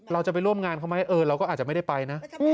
เราจะไปร่วมงานเขาไหมเราก็อาจจะไม่ได้ไปนะ